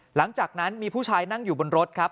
หลังจากนั้นมีผู้ชายนั่งอยู่บนรถครับ